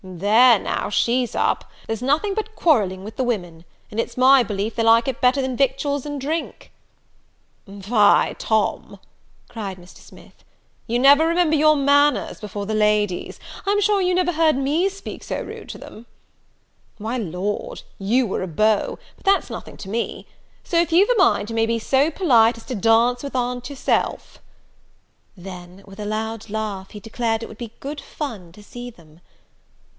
"There, now, she's up! There's nothing but quarrelling with the women; it's my belief they like it better than victuals and drink." "Fie, Tom," cried Mr. Smith, "you never remember your manners before the ladies: I'm sure you never heard me speak so rude to them." "Why, Lord, you are a beau; but that's nothing to me. So, if you've a mind, you may be so polite as to dance with aunt yourself." Then, with a loud laugh, he declared it would be good fun to see them.